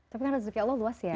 tapi kan rezeki allah luas ya